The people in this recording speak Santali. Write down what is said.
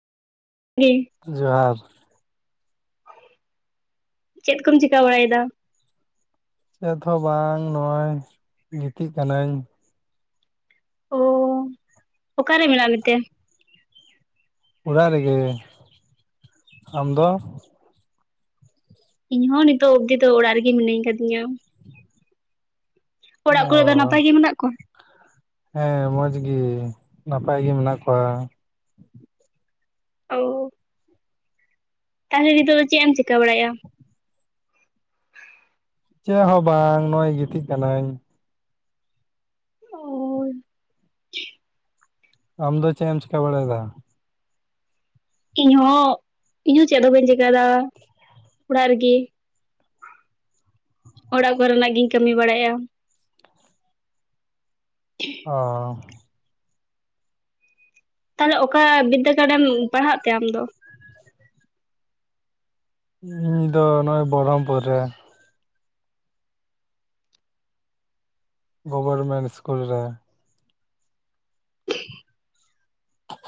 ᱤᱧ ᱡᱚᱦᱟᱨ ᱪᱮᱫ ᱠᱚᱢ ᱪᱤᱠᱟᱹ ᱵᱟᱲᱟᱭ ᱮᱫᱟ ᱪᱮᱫ ᱦᱚᱸ ᱵᱟᱝ ᱱᱚᱜᱼᱚᱭ ᱜᱤᱛᱤᱡ ᱠᱟᱹᱱᱟᱹᱧ ᱚ ᱚᱠᱟᱨᱮ ᱢᱮᱱᱟᱜ ᱢᱮᱛᱮ ᱚᱲᱟᱜ ᱨᱮᱜᱮ ᱟᱢ ᱫᱚ ᱤᱧ ᱦᱚᱸ ᱱᱤᱛᱚᱜ ᱚᱵᱽᱫᱤ ᱫᱚ ᱚᱲᱟᱜ ᱨᱮᱜᱮ ᱢᱤᱱᱟᱹᱧ ᱟᱠᱟᱫᱤᱧᱟ ᱠᱚᱨᱮ ᱫᱚ ᱱᱟᱯᱟᱭ ᱜᱮ ᱢᱮᱱᱟᱜ ᱠᱚᱣᱟ? ᱚ ᱦᱮᱸ ᱢᱚᱸᱡᱽ ᱜᱮ ᱱᱟᱯᱟᱭ ᱜᱮ ᱢᱮᱱᱟᱜ ᱠᱚᱣᱟ ᱚ ᱛᱟᱦᱚᱞᱮ ᱱᱤᱛᱚᱜ ᱫᱚ ᱪᱮᱫ ᱮᱢ ᱪᱤᱠᱟᱹ ᱵᱟᱲᱟᱭᱮᱫᱼᱟ ᱻ ᱪᱮᱫ ᱦᱚᱸ ᱵᱟᱝ ᱱᱚᱜ ᱚᱭ ᱜᱤᱛᱤᱡ ᱠᱟᱱᱟᱹᱧ ᱚ ᱟᱢ ᱫᱚ ᱪᱮᱫ ᱮᱢ ᱪᱮᱠᱟᱹ ᱵᱟᱲᱟᱭ ᱮᱫᱟ ᱤᱧ ᱦᱚᱸ ᱤᱧᱦᱚᱸ ᱪᱮᱫ ᱦᱚᱸ ᱵᱟᱹᱧ ᱪᱮᱤᱠᱟᱹᱫᱟ ᱚᱲᱟᱜ ᱨᱮᱜᱮ ᱚᱲᱟᱜ ᱠᱚᱨᱮᱱᱟᱜ ᱜᱤᱧ ᱠᱟᱹᱢᱤ ᱵᱟᱲᱟᱭᱼᱟ ᱦᱮᱸ ᱚ ᱛᱟᱦᱚᱞᱮ ᱚᱠᱟ ᱵᱤᱫᱽᱫᱟᱹᱜᱟᱲ ᱨᱮᱢ ᱯᱟᱲᱦᱟᱜ ᱛᱮ ᱟᱢ ᱫᱚ ᱤᱧ ᱫᱚ ᱱᱚᱜᱼᱚᱭ ᱵᱚᱨᱚᱢᱯᱩᱨ ᱨᱮ ᱜᱚᱵᱷᱚᱨᱢᱮᱱᱴ ᱤᱥᱠᱩᱞ ᱨᱮ